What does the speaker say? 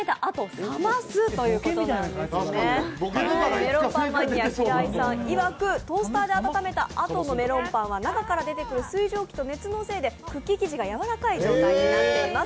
メロンパンマニアメロンマニアの平井さんいわく、トーストで温めたあとのメロンパンは中から出てくる水蒸気と熱のせいでクッキー生地がやわらかい状態になっています。